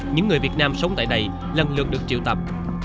những người việt nam sống tại đây lần lượt được triệu tập